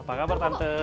apa kabar tante